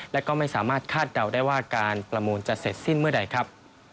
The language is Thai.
และก็ไม่สามารถคาดเดาได้ว่าการประมูลจะเสร็จสิ้นเมื่อใดครับ